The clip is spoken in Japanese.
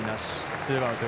ツーアウト。